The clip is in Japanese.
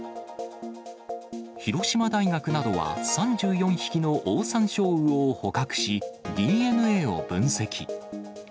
広島大学などは３４匹のオオサンショウウオを捕獲し、ＤＮＡを分析。